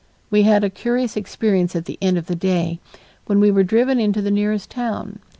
We had a curious experience at the end of the day, when we were driven into the nearest town.